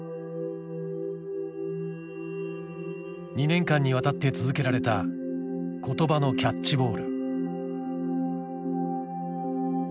２年間にわたって続けられた言葉のキャッチボール。